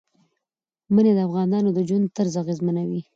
منی د افغانانو د ژوند طرز اغېزمنوي.